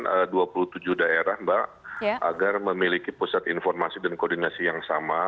ada dua puluh tujuh daerah mbak agar memiliki pusat informasi dan koordinasi yang sama